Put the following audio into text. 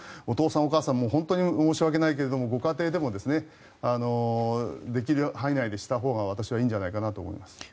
お父さん、お母さん本当に申し訳ないけどご家庭でもできる範囲内でしたほうがいいんじゃないかと私は思います。